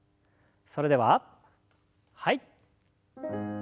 それでははい。